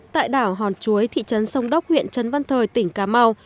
tại đảo hòn chuối thị trấn sông đốc huyện trấn văn thời tỉnh cà mau